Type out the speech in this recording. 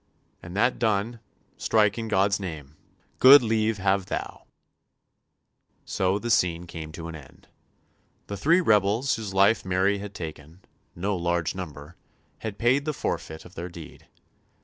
And that done, strike in God's name. Good leave have thou." So the scene came to an end. The three rebels whose life Mary had taken no large number had paid the forfeit of their deed.